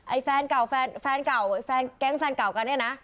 แฟนเก่าแฟนแฟนเก่าแฟนแก๊งแฟนเก่ากันเนี่ยนะ